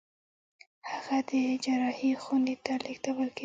هغه د جراحي خونې ته لېږدول کېده.